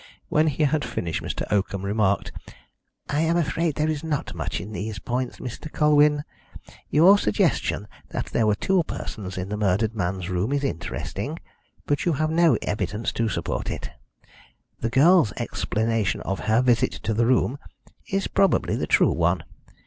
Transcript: When he had finished Mr. Oakham remarked: "I am afraid there is not much in these points, Mr. Colwyn. Your suggestion that there were two persons in the murdered man's room is interesting, but you have no evidence to support it. The girl's explanation of her visit to the room is probably the true one.